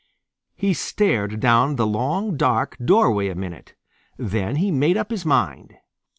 He stared down the long dark doorway a minute. Then he made up his mind.